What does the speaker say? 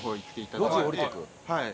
はい。